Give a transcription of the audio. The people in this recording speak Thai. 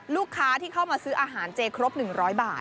ลูกค้าที่เข้ามาซื้ออาหารเจครบ๑๐๐บาท